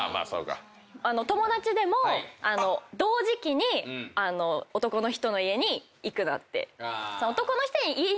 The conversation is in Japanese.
友達でも同時期に男の人の家に行くなって。